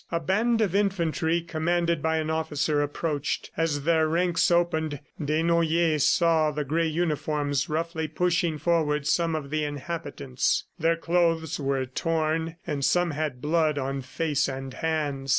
A band of infantry commanded by an officer approached. As their ranks opened, Desnoyers saw the gray uniforms roughly pushing forward some of the inhabitants. Their clothes were torn and some had blood on face and hands.